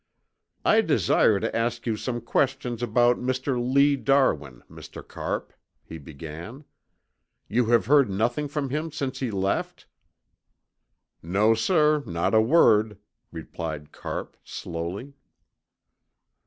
"I desire to ask you some questions about Mr. Lee Darwin, Mr. Carpe," he began. "You have heard nothing from him since he left?" "No, sir, not a word," replied Carpe, slowly.